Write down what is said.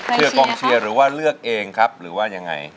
กองเชียร์หรือว่าเลือกเองครับหรือว่ายังไง